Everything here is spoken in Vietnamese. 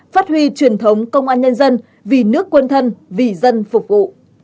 phát huy truyền thống công an nhân dân vì nước quân thân vì dân phục vụ